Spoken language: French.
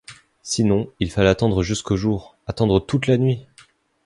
Sinon, il fallait attendre jusqu’au jour, attendre toute la nuit !